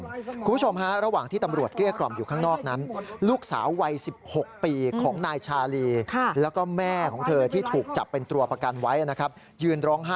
คุณผู้ชมระหว่างที่ตำรวจเกลี้ยกกล่อมอยู่ข้างนอกนั้น